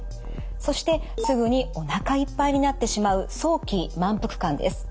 そしてすぐにおなかいっぱいになってしまう早期満腹感です。